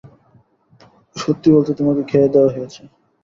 সত্যি বলতে তোমাকে খেয়ে দেয়া হয়েছে।